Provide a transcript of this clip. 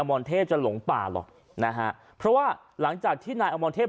รเทพจะหลงป่าหรอกนะฮะเพราะว่าหลังจากที่นายอมรเทพ